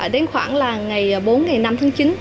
đến khoảng là ngày bốn ngày năm tháng chín